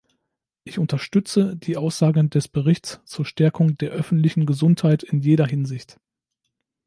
Ich unterstütze die Aussagen des Berichts zur Stärkung der öffentlichen Gesundheit in jeder Hinsicht.